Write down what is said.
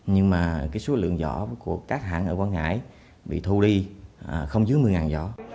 nhưng mà số lượng vỏ của các hãng ở quang hải bị thu đi không dưới một mươi vỏ